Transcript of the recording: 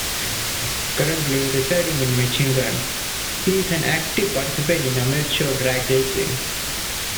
Currently residing in Michigan, he is an active participant in amateur drag racing.